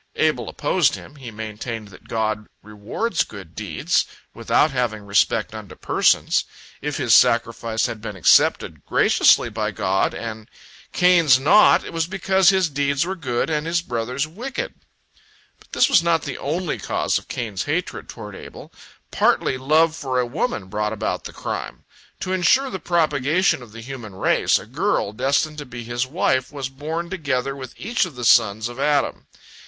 Abel opposed him; he maintained that God rewards good deeds, without having respect unto persons. If his sacrifice had been accepted graciously by God, and Cain's not, it was because his deeds were good, and his brother's wicked. But this was not the only cause of Cain's hatred toward Abel. Partly love for a woman brought about the crime. To ensure the propagation of the human race, a girl, destined to be his wife, was born together with each of the sons of Adam.